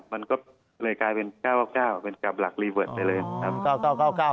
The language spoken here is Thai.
มันก็เลยกลายเป็น๙๙เป็นกับหลักรีเวิร์ดไปเลย